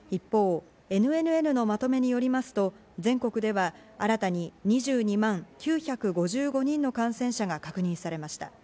一方、ＮＮＮのまとめによりますと、全国では新たに２２万９５５人の感染者が確認されました。